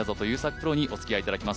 プロにおつきあいいただきます。